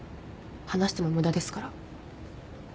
話しても無駄ですから。